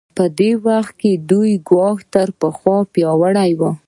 په دې وخت کې د دوی ګواښ تر پخوا پیاوړی و.